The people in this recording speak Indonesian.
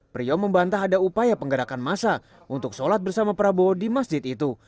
priyo membantah ada upaya penggerakan masa untuk sholat bersama prabowo di masjid itu